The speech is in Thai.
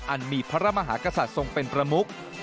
อันมีพระมหากษัตริย์ทรงเป็นประมุก